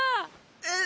えっ？